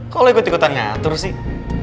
kok ikut ikutan ngatur sih